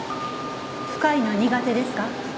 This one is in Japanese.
深いの苦手ですか？